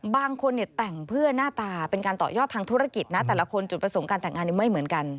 บางคนเนี่ยแต่งเพื่อหน้าตาเป็นการต่อยอดทางธุรกิจนะแต่ละคนจุดประสงค์การแต่งงานไม่เหมือนกัน